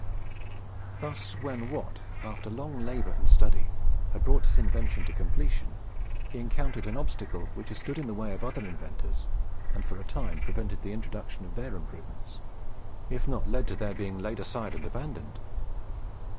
Thus when Watt, after long labour and study, had brought his invention to completion, he encountered an obstacle which has stood in the way of other inventors, and for a time prevented the introduction of their improvements, if not led to their being laid aside and abandoned.